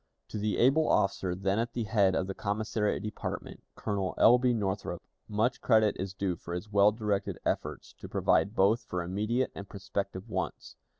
To the able officer then at the head of the commissariat department, Colonel L. B. Northrop, much credit is due for his well directed efforts to provide both for immediate and prospective wants.